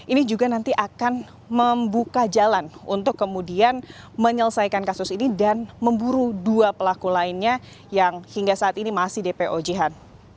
ini juga nanti akan membuka jalan untuk kemudian menyelesaikan kasus ini dan memburu dua pelaku lainnya yang hingga saat ini masih dpo jihan